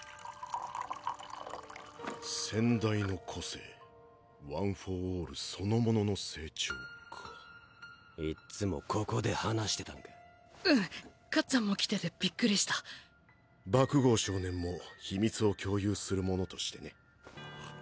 先代の個性ワン・フォー・オールそのものの成長かいっつもここで話してたんかうんかっちゃんも来ててびっくりした爆豪少年も秘密を共有する者としてね